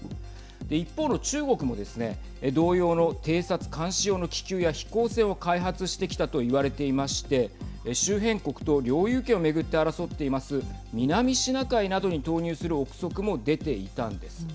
一方の中国もですね同様の偵察監視用の気球や飛行船を開発してきたと言われていまして周辺国と領有権を巡って争っています南シナ海などに投入する臆測も出ていたんです。